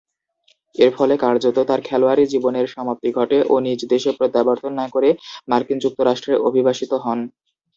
এরফলে কার্যতঃ তার খেলোয়াড়ী জীবনের সমাপ্তি ঘটে ও নিজ দেশে প্রত্যাবর্তন না করে মার্কিন যুক্তরাষ্ট্রে অভিবাসিত হন।